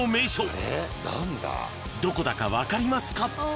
［どこだか分かりますか？］